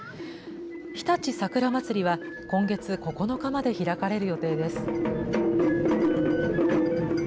日立さくらまつりは、今月９日まで開かれる予定です。